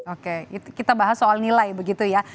oke kita bahas soal nilai begitu ya